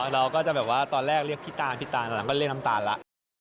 เราก็จะแบบว่าตอนแรกเรียกพี่ตานพี่ตานตอนนั้นก็เรียกน้ำตาลแล้ว